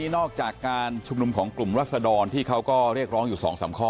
นอกจากการชุมนุมของกลุ่มรัศดรที่เขาก็เรียกร้องอยู่๒๓ข้อ